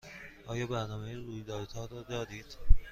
آیا برنامه رویدادها را دارید؟